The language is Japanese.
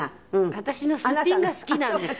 私のスッピンが好きなんです！